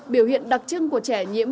biểu hiện đặc trưng của trẻ nhiễm